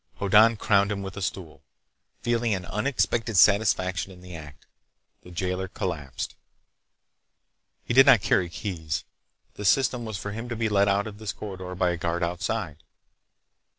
Hoddan crowned him with a stool, feeling an unexpected satisfaction in the act. The jailer collapsed. He did not carry keys. The system was for him to be let out of this corridor by a guard outside.